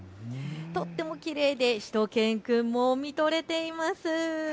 とってもきれいでしゅと犬くんも見とれています。